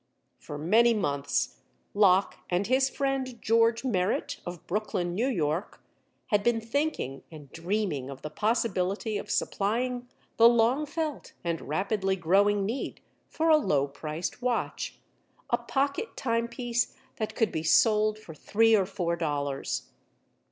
For many months, Locke and his friend George Merritt, of Brooklyn, New York, had been thinking and dreaming of the possibility of supplying the long felt and rapidly growing need for a low priced watch—a pocket timepiece that could be sold for three or four dollars.